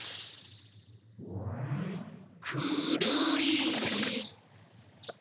くるり！